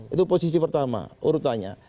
itu posisi pertama urutannya